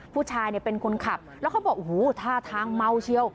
ผู้ชายเนี่ยเป็นคนขับแล้วเขาบอกโอ้โหท่าทางเมาเชียว